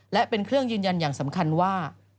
และเป็นเครื่องยืนยันอย่างสำคัญว่า